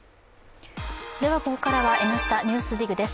ではここからは「Ｎスタ・ＮＥＷＳＤＩＧ」です。